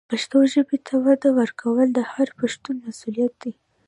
پښتو ژبې ته وده ورکول د هر پښتون مسؤلیت دی.